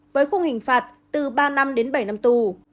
với khung hình phạt từ ba năm đến bảy năm tù